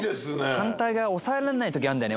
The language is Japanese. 反対側押さえられない時あんだよね